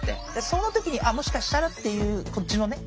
その時にあっもしかしたらっていうこっちのね